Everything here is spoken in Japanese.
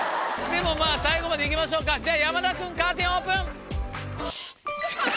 でも最後まで行きましょうか山田君カーテンオープン！